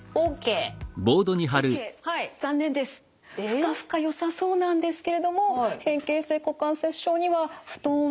ふかふかよさそうなんですけれども変形性股関節症には布団はＮＧなんです。